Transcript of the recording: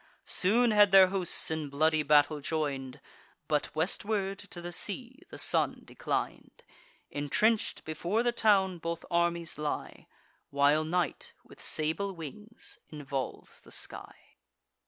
Soon had their hosts in bloody battle join'd; But westward to the sea the sun declin'd. Intrench'd before the town both armies lie, While night with sable wings involves the sky.